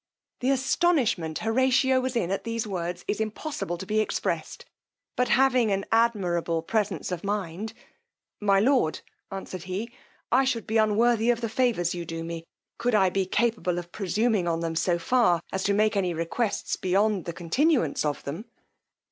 The astonishment Horatio was in at these words is impossible to be expressed; but having an admirable presence of mind, my lord, answered he, I should be unworthy of the favours you do me, could I be capable of presuming on them so far as to make any requests beyond the continuance of them.